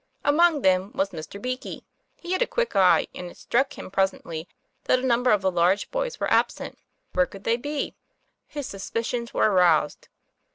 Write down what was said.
Among them was Mr. Beakey. He had a quick eye, and it struck him, presently, that a number of the large boys were absent. Where could they be ? His suspicions were aroused.